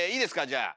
じゃあ。